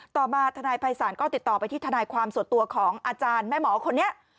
ต่อมาทนายภัยศาลก็ติดต่อไปที่ทนายความส่วนตัวของอาจารย์แม่หมอคนนี้